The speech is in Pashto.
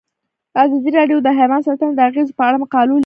ازادي راډیو د حیوان ساتنه د اغیزو په اړه مقالو لیکلي.